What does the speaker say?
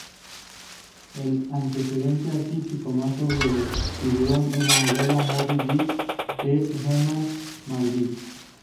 El antecedente artístico más obvio de "Tiburón" es la novela "Moby-Dick" de Herman Melville.